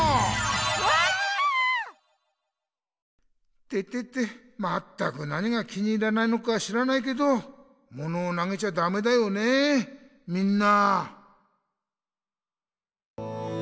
うわあ！てててまったく何が気に入らないのか知らないけどモノをなげちゃダメだよねえみんな。